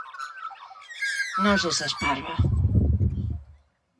¡Non sexas parva!